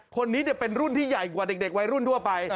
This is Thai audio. คนนี้เป็นรุ่นที่ใหญ่กว่าเด็กวัยรุ่นทั่วไป